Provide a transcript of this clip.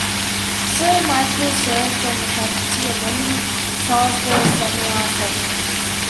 Sir Michael served on the faculty of many Salzburg Seminar Sessions.